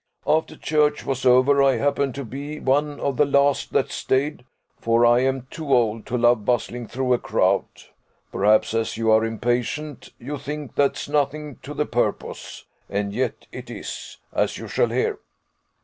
After church was over, I happened to be one of the last that stayed; for I am too old to love bustling through a crowd. Perhaps, as you are impatient, you think that's nothing to the purpose; and yet it is, as you shall hear.